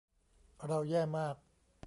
เราแย่มาก